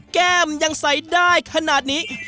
แก้มยังใส่ได้ขนาดนี้